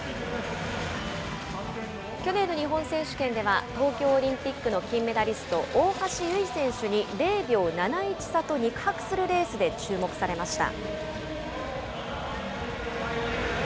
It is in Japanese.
去年の日本選手権では東京オリンピックの金メダリスト、大橋悠依選手に０秒７１差と肉薄するレースで注目されました。